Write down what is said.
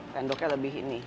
sendoknya lebih ini